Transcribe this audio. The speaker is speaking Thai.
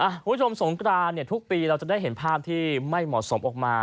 คุณผู้ชมสงกรานเนี่ยทุกปีเราจะได้เห็นภาพที่ไม่เหมาะสมออกมา